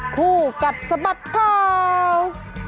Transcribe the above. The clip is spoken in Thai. คู่กับสมัครค่าว